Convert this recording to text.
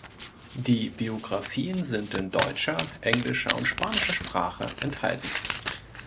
Die Biographien sind in deutscher, englischer und spanischer Sprache enthalten.